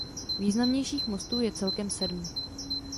Významnějších mostů je celkem sedm.